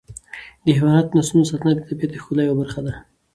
د حیواناتو د نسلونو ساتنه د طبیعت د ښکلا یوه برخه ده.